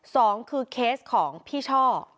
สองคือเคสของพี่ช่อ